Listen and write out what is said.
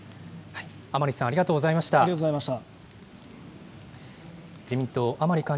甘利さん、ありがとうございました。